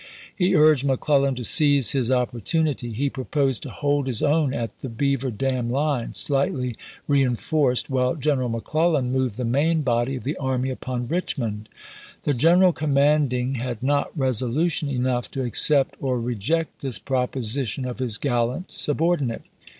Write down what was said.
He urged Mc Clellan to seize his opportunity ; he proposed " to hold his own at the Beaver Dam line, slightly reen forced, while Gleneral McClellan moved the main body of the army upon Richmond." ^ The general commanding had not resolution enough to accept or reject this proposition of his gallant subordinate.